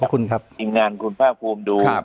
ขอบคุณครับทีมงานคุณภาคภูมิดู